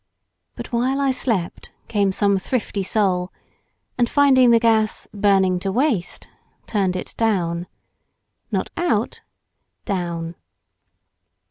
But while I slept, came some thrifty soul, and finding the gas "burning to waste" turned it down. Not out—down.